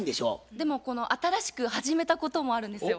でも新しく始めたこともあるんですよ。